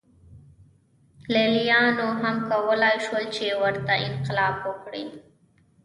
لېلیانو هم کولای شول چې ورته انقلاب وکړي